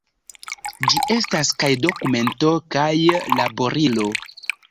Ĝi estas kaj dokumento kaj laborilo.